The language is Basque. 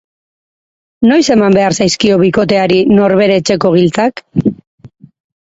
Noiz eman behar zaizkio bikoteari norbere etxeko giltzak?